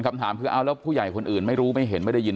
คำถามคือเอาแล้วผู้ใหญ่คนอื่นไม่รู้ไม่เห็นไม่ได้ยิน